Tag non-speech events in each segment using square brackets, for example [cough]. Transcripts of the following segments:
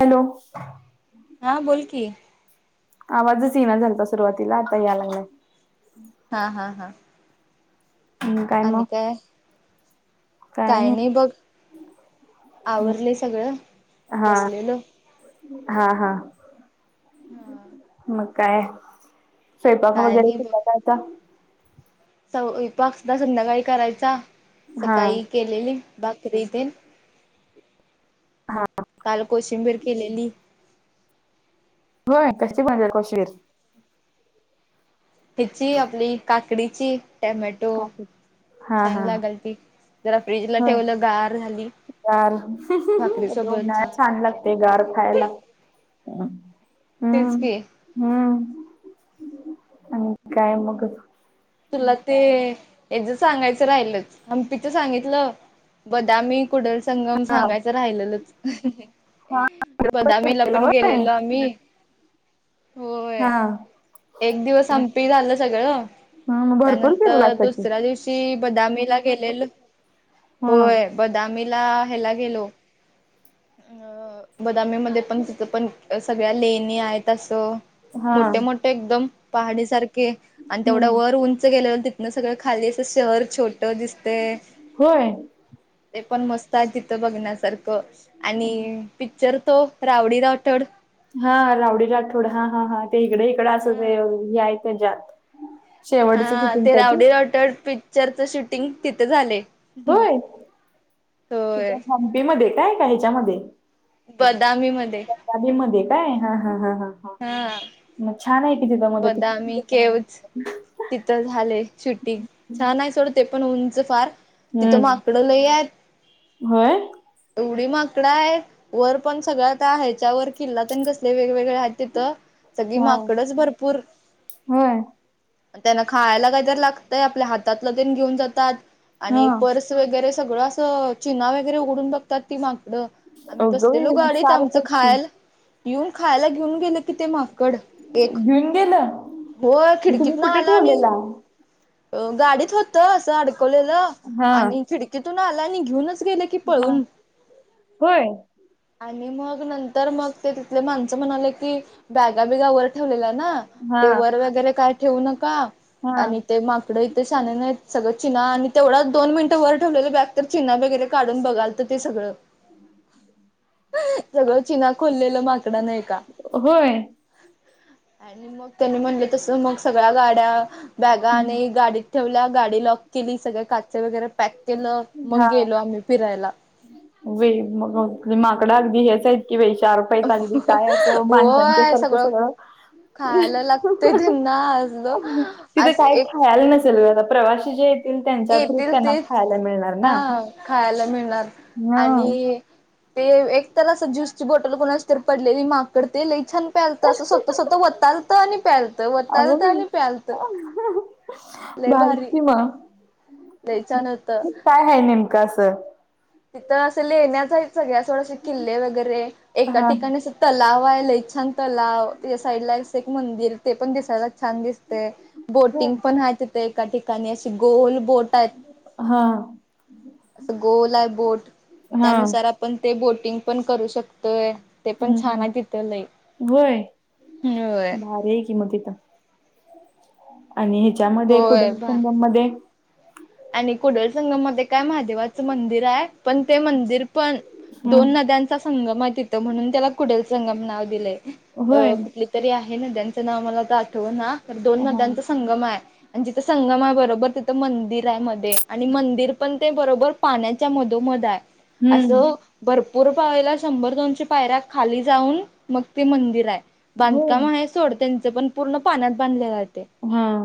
Hello. हा बोल की. आवाजच येईना झालता सुरुवातीला, आता यायला लागलाय. हा हा हा. हम्म आणि मग काय काही नाही बघ बघ आवरले सगळं हा बसलेलो. हा हा. हा. मग काय स्वयंपाक काय वगैरे [unintelligible] आता. स्व ही पाक सुद्धा संध्याकाळी करायचा हा सकाळी केलेली भाकरी तेन हा काल कोशिंबीर केलेली. होय कशी बनवेल कोशिंबीर? हीची आपली काकडीची टमॅ काकी छान लागल ती जरा फ्रीजला होय ठेवलं गार झाली गार भाकरी सोबत उनाळ्यात छान लागत्या लागते होय. गार खायला. हा. तेच की हम्म,, अणि काय मग आजु तुला ते,, यज सांगायचं राहिलचं,, हम्पीच सांगितलं बदामी, कुडल संगम हा सांगायच राहिलेलंच. हा बदामी ला फिरलेला पण होय गेलेलो आमी होय,, हा हा एक दिवस आम पी झालं सगळं, मग भरपूर त्यानंतर फिरलासा की दुसऱ्या दिवशी बदामी ला गेलेलो हा होय, बदामी ला ह्यला गेलो अं बदामी मध्ये पण, तीथं पण अ सगळ्या लेण्या आयत असं हा मोठे मोठे एकदम पहाडीसारखे, आणि तेवढा हम्म वर उंच गेलेलं ते न सगळं खाली असं शहर छोटं दिसतय. होय ते पण मस्त आय तिथं बघण्यासारखं,, आणि पिक्चर तो, रावडी राठोड हा रावडी राठोड, हा हा हा ते इकडं इकडं अस ते हे हाय त्याच्यात. शेवटचं हा किती ते काय रावडी राठोड पिक्चरचं शूटिंग तिथं झालय. होय,, तीथं हम्पी मध्ये काय, का ह्याच्यामध्ये? बदामीमधे. दामीमध्ये काय, हा हा हा हा. हा. मग छान हाय की तीथं बदामी केवच तिथं झालय शूटिंग, छानाय सोडते पण उंच फार तिथं हम्म माकडं लयात. होय एवढी माकडं आयत, वर पण सगळं आता ह्याच्यावर कील्ला तन कसली वेगवेगळी हायत तिथं, सगळी हा माकडंच भर होय. अन् त्यांना खायला काईतर लागतंय, आपल्या हातातलं तेन घीऊन जातात,, हा आणि पर्स वगैरे सगळं असं, चिना् वगैरे उघडून बघतात ती माक डं, आम्ही अगं बसलेलो बाई मग गाडीत शार्प आमचं आहेत की खायाल यीऊन खायला घीऊन गेलं कि ते माकड,, ए घिऊन गेलं? होय मग तुम्ही खिडकीत न कुठे आलं आणि ठेवलेला अं गाडीत होतं असं अडकवलेलं,, हा आणि खिडकीतून आलं आणि घेऊनच गेलं की हा पळुन. होय आणि मग नंतर मग ते तिथले माणसं म्हणाले की बॅगा बिगा वर ठेवलेल्या ना हा ते वर वगैरे काय ठेवू नका,, हा आणि ते माकडं इथं शानं नाईत. सगळं चिना आणि तेवढा दोन मिनटं वर ठेवलेले बॅग तर चिना वगैरे काढून बघालतं ते सगळं. [inaudible] सगळं चिना खोललेलं माकडानं एका. होय. आणि मग त्यांनी म्हणले तसं मग सगळ्या गाड्या, बॅगा हम्म. आणि गाडी ठेवल्या, गाडी लॉक केली, सगळे काच वगैरे पॅक केलं, मग हा गेलो आम्ही फिरायला. ते वे मग माकडं अगदी हेच आहेत की बई शार्प बई पालवी काय असं माणसांच्या सारखं सगळं खायला लागतय त्यांना असलं तिथं असं काय एक खायाला नसल ग आता प्रवासी... जे येतील, त्यांच्या थ्रू, त्यांना खायला मिळणार. ना हां, खायला मिळणार, हा आणि ते, ते एकतल असं ज्यूसची बॉटल, कोणाची तर पडलेली, माकड ते लई छान प्यालत, असं स्वतः स्वतः वतालत, आणि प्याल आग बाई. ह्हन ह्हणं. भारी की म, लय छान होतं काय हाय नेमकं, असं? तिथं असं लेण्याचं, सगळ्या थोडसे किल्ले वगैरे, एका हा ठिकाणी असं तलाव हाय, लई छान तलाव, या साईड लायस ते एक मंदिरं, ते पण दिसायला छान दिसते, हो. बोटिंग पण हाय तिथ ते एका ठिकाणी, अशी गोल बोट य. हा. असं गोल हाय बोट, हा त्यानुसार आपण, ते बोटिंग पण, करू शकतोय. ते पण हम्म छान हम्, आहे तिथं लई होय, होय भारीय की म तिथं. आणि हेच्यामध्ये, होय कुडल बा संगम मध्ये? आणि कुडल संगम मध्ये, काय महादेवाचं मंदिर य, पण ते मंदिर पण हम्म दोन नद्यांचा, संगम य तिथं, म्हणून त्याला, कुडल संगम नाव दिलय, अ होय कुठली तरी आहे, नद्यांच नाव, मला आता आठवना, खर दोन हा नद्यांच सं गम हाय, अन जिथं संगम हाय, बरोबर तिथं मंदि त्यामध्ये आणि मंदिर पण, ते बरोबर, पाण्याच्या मधोमध हाय, अस हम्म भरपूर पाहायला, शंभर-दोनशे पायऱ्या खाली जाऊन, मग, ते मंदिर हाय. होय बांधकाम हाय, सोड त्यांचं पण, पूर्ण पाण्यात बांधलेलं हाय ते. ह्म.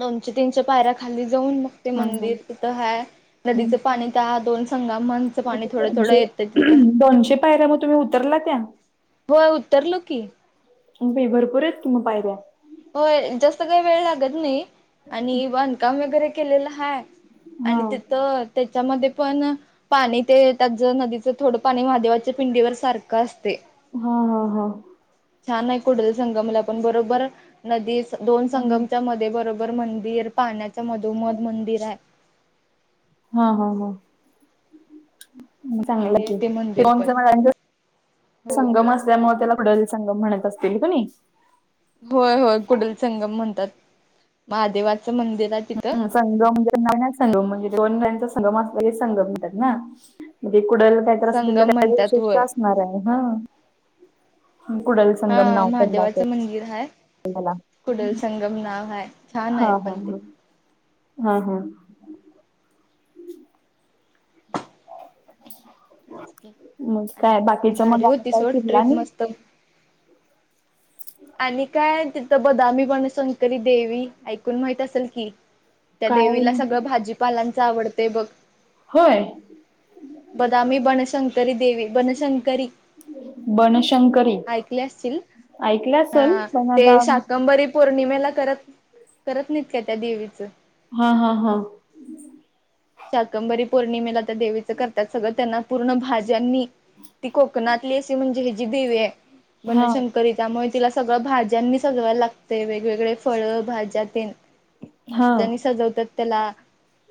दोनशे-तीनशे पायऱ्या, खाली जाऊन, म ते हा हा मंदिर, तिथं हाय, नदीच हम्म. पाणी, त्या दोन संघा मांच मग पाणी ते थोडं-थोडं दोनशे येतं, तिथं. दोनशे पायऱ्या, म तुम्ही उतरला, त्या? व्हय, उतरलो की. अगबाई, भरपूर येत की, म पायऱ्या. होय, जास्त काय वेळ लागत नही, आणि बांधकाम वगैरे, केलेलं हाय. हा आणि तिथं, त्याच्यामध्ये पण पाणी ते, त्याज नदीचं, थोडं पाणी महादेवाच्या, पिंडीवर सारखं असतय. हां हां हं. छान ये कुडल संगमला., पण बरोबर, नदी दोन हम्म. संगमच्या मध्ये, बरो बर मंदिर, पाण्याच्या मधोमध, मंदिर हाय. हां हां. म भारी चांगलं आहे कि, ते मंदिर पण [unintelligible] हो. संगम अस ल्यामुळ, त्याला कुडल संगम, म्हणत असतील क नई? होय-होय कुडल संगम म्हणतात, महादेवाचं मंदिर हाय तिथं. हं, संगम म्हणजे, [inaudible] [inaudible] [inaudible] दोन नद्यांचा संगम असला की, संगम म्हणतात ना? म्हणजे, कुडल काहीतर अस, [unintelligible] संगम काय म्हणतात विशिष्ट होय असणार ये, हं. कुडल संगम, हा नाव पडल असल. महादेवाचं मंदिर हाय? याला, छान हा आहे हा, पण ते ह्म ह्म. मग काय, बाकीच [unintelligible] फिरला नही. त आणि काय, तिथं बदामी पण संयकली देवी, ऐकून माहित असेल की, ''त्या काय देवीला सगळं भाजीपालांच आवडते बघ. '' होय... बदामी बनशंकरी देवी, बनशंकरी- बनशंकरी, ऐकले असतील ऐकले असल हा पण आता, ते शाकंबरी पौर्णिमेला करत, करत नाहीत का त्या देवीचं, हा हा हा शाकंबरी पौर्णिमेला त्या देवीचं करतात, सगळं त्यांना पूर्ण भाज्यांनी- ती कोकणातली अशी म्हणजे देवी आहे. हा बनशंकरी, त्यामुळे तिला सगळं भाज्यांनी सजवायला लागते, वेगवेगळे फळ भाज्या तेन- मग हा त्या ज्यानी सजवतात त्याला,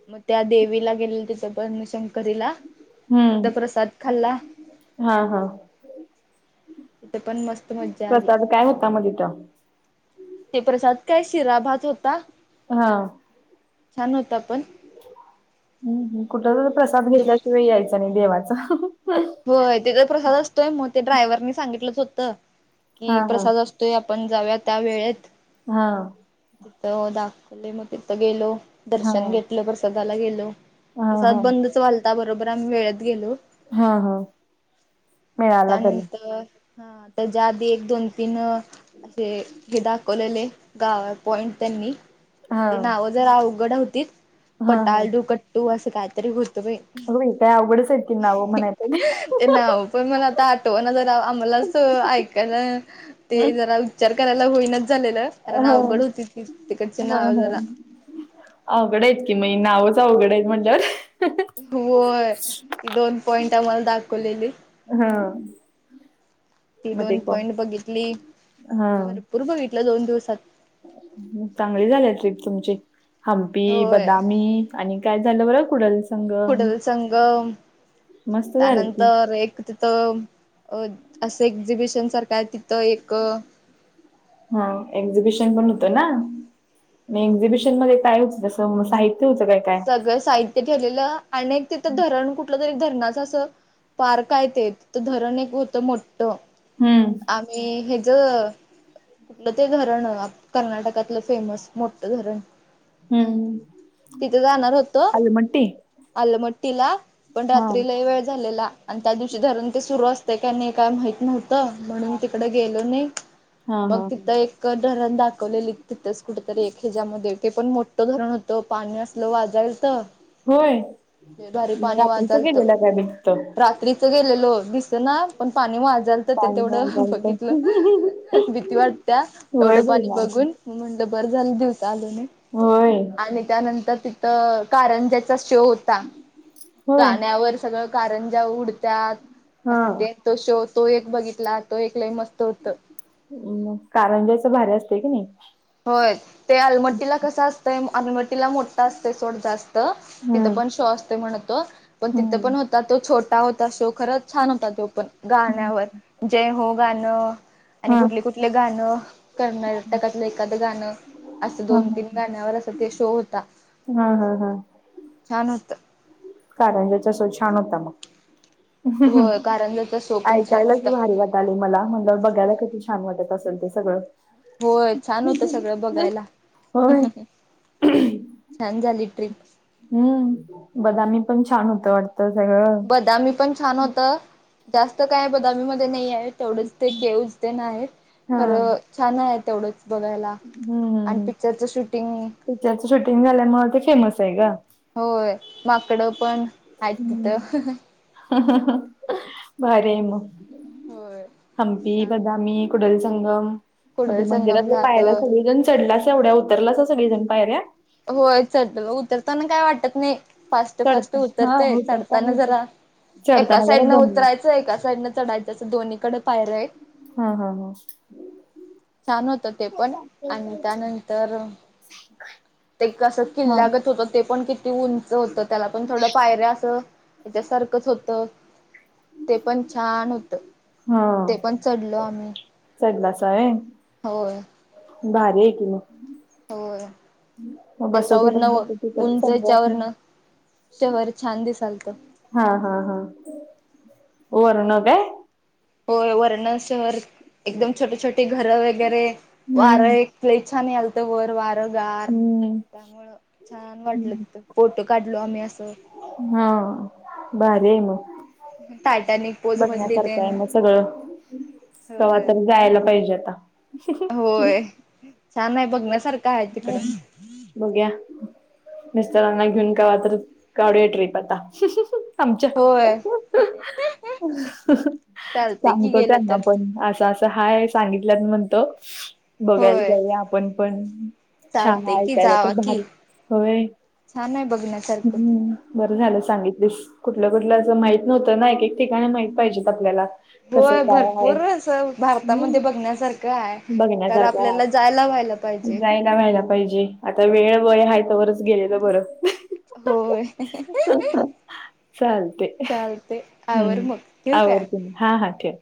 मग त्या देवीला गेले तिथं बनशंकरीला, हम्म तिथं प्रसाद खाल्ला. हा हा, तिथे पण मस्त मज्जा आली प्रसाद काय होता मग तिथं? ते प्रसाद काय शिरा भात होता. हा... छान होता पण, हं, कुठं प्रसाद दुप घेतल्याशिवाय यायचा नाही देवाचा. होय, तेथ प्रसाद असतोय, मग ते ड्रायव्हर सांगितलंच होतं, हा की हा प्रसाद अस- तोय आपण जावूया त्या वेळेत, हां.. तिथं दाखवले मग तिथं गेलो, हा हा दर्शन घेतलं प्रसादाला गेलो.. हा प्रसाद बंदच वालता, बरोबर आम्ही वेळेत गेलो. हां हां... त्यानंतर त्याच्या आधी एक-दोन-तीन- असे, हे दाखवलेले गाव पॉइंट त्यांनी, हा नावं जरा अवघड होतीच, हा हा पटालडू कट्टू असं कायतरी होतं बाई, अगं बाई, काय अवघडच आहेत की, नावा म्हणाय- पाहिजे ते नाव पण मला आता आठवण जरा, आम्हालाच ऐकायला- ते जरा विचार करायला होईनच झालेलं, कारण हो अवघड होती की तिकडचे नाव जरा, अवघडं आहेत की, मग नावच अवघड आहेत म्हटवर, होय, दोन पॉइंट आम्हाला दाखवलेली. हं... ती दोन पॉइंट बघितली, हा भरपूर बघितलं दोन दिवसात, चांगली झालेय ट्रीप तुमची, हंपी होय बदामी- आणि काय झालं बरं, कुडल- संगम. कुडल संगम, मस्त झालं की त्यानंतर एक- तिथं, अ असं एक्झिबिशन सारखं आहे, तिथं एक- हा, एक्झिबिशन पण होतं ना, मी एक्झिबिशन मध्ये काय होत, साइड- सगळं साहित्य ठेलेलं, आणि तिथं धरण कुठलं तरी धरणाच असं- पार्क आहे ते, तिथं धरण एक होतं मोठ, हं... आम्ही हे ज- ''कुठलं ते धरण, कर्नाटकातलं फेमस मोठं धरण. '' हं... ''तिथे जाणार होतो, आलमट्टीला, पण हा रात्री लय वेळ झालेला. '' आणि त्या दिवशी धरण ते सुरू असतय का नाई काय माहित नव्हतं म्हणून तिकडे गेलो नई, हा हा मग हा तिथं एक त्यात धरण दाखवलेलीत. तिथंच कुठतरी एक ह्याज्यामध्ये, ते पण मोठं धरण होतं. पाणी असं सलं वाजालत, होय. लय भारी मग पाणी रात्रीच वाजालत. गेलेला काय मी तिथं. रात्री गेलेलो. दिसना, पण पाणी वाजालत, ते पाणी तेवढं वाजालत. बघितल. भीती वाटत्या, होय एवढं बई पाणी ना. बघून. म्हणलं बर झालं दिवसा आलो नाय. होय. आणि त्यानंतर तिथं, कारंज्याचा शो होता. होय गाण्यावर सगळं कारंजा उडत्यात. हा असं ते तो शो तो एक बघितला. तो एक लय मस्त होतं. मग कारंजाच भारी असतय क नी होय. ते आलमट्टीला कस असतंय, आम्ही मो तिला मोठा असतय सोड जास्त, तिथ हम्म पण शो असतोय म्हणतो, पण तिथ हम्म पण त तो छोटा होता शो, खरंच छान होता त्यो पण, गाण्यावर, जय हो गाण्या ण, आणी हा कुठले कुठल गाणं, कर्नाटकात एखादं गाणं, असं हा दोन हा तीन गाण्यावर अस ते शो होता. हा हा हा छान होतं. कारंजाचा शो छान होता मग, होय कारंजाचा शो पण छान ऐकायलांच होता भारी वाट आणि मला म्हणल, बघायला किती छान वाटत असल ते सगळं. होय. छान होतं सगळं बघायला. होय छान झाली ट्रिप हम्म, बदामी पण छान होतं वाटतं सगळं बदामी पण छान होतं. जास्त काय बदामी मध्ये नाहीये. तेवढंच ते केऊज तेनं आहेत. हा खरं छान आहे तेवढंच बघायला. हम्म, हम्म, आणि हम्म, पिक्चरचं शूटिंग पिक्चरच शूटिंग झाल्यामुळे ते फेमस हाय गं. होय, माकडं पण हायेत हम्म तिथं भारी ये म, होय. हंप्पी, छान बदामी कुडल संंगम, मते कुडल संगम मंदिरात पायऱ्या झालं. चढुगणं चढलासां एवढ्या उतरलासां सगळीजण पायऱ्या होय चढलो बघ, उतरताना काय वाटत नाही. फास्ट, फास्ट चढता हां, उतरतय, उतरताना चढताना उतर जरा, एका चढताना जरा साईडन दमला. उतराय च एका साईडन चढायचं. अस दोन्ही कड हा हा हा छान होत ते पण, आणि त्यानंतर ते कसं हां, किल्लागत होतं. ते पण किती उंच होतं. त्याला पण थोडं पायऱ्या असं हयाच्या सारखंच होतं. ते पण छान होतं. हा, ते पण चढलो आम्ही चढलासा व्हय. होय. भारी ये की मग होय. मग त्याच्या बसत वरण, होतात व बसत होतात उंच चांगलं हयाच्या वाटलं. वरण, शहर छान दिसालत. हा हा हा, वरन काय? होय. वरण शहर, एकदम छोटे छोटे घरं वगैरे, वार हम्म, एक लय छान यालत वर वारं गार, हम्म. त्यामुळं छान वाटलं तिथं. फोटो काढलो. आम्ही असं हा. भारी हाय म टाटाने. बघण्यासारखं आहे मग सगळं होय कव्हातर जायला पाहिजे आता. होय, छान आहे बघण्यासारखं आहे हो, तिकडं. बघूया, मिस्टरांना घेऊन कवातरी काढूया ट्रीप आता. आमच्या होय चालते की सांगतो गेलं त्यांना तर पण अस.. अस हाय सांगितल्या म्हणत बघायला होय जाय आपण पण. छान चालते की ऐकायला तर जावा की भारी होय छान आहे बघण्यासारखं हम्म. बरं झालं सांगितलीस कुठलं? कुठलंं? माहित नव्हतं ना एक, एक ठिकाणी माहित पाहिजेत आपल्याला. हो, कसं काय हाय भरपूर अस भारतामध्ये हम्म बघण्यासारखं आहे. तर बघण्यासारखं हाय. आपल्याला जायला व्हायला पाहिजे. जायला व्हायला पाहिजे. आता वेळ वय हा तर तवरच गेलेलं बरं - होय चालते. चाल ते आवर हम्म मग ठेव काय? आवडते. हा हा ठेव.